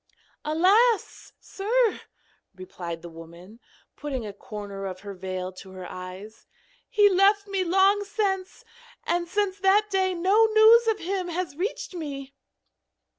'Alas! sir,' replied the woman, putting a corner of her veil to her eyes, 'he left me long since, and since that day no news of him has reached me.'